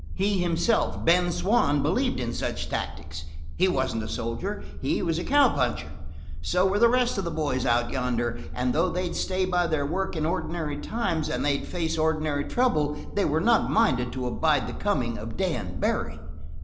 He himself, Ben Swann, believed in such tactics. He wasn't a soldier; he was a cowpuncher. So were the rest of the boys out yonder, and though they'd stay by their work in ordinary times, and they'd face ordinary trouble, they were not minded to abide the coming of Dan Barry.